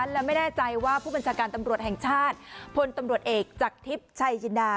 และไม่แน่ใจว่าผู้บัญชาการตำรวจแห่งชาติพลตำรวจเอกจากทิพย์ชัยจินดา